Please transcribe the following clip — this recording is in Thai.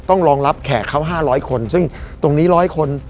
ต้องรองรับแขกเขา๕๐๐คนซึ่งตรงนี้๑๐๐คน